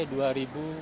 kalau letter t itu